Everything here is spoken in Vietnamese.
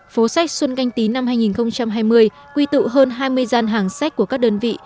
phố sách xuân canh tí năm hai nghìn hai mươi quy tụ hơn hai mươi gian hàng sách của các đơn vị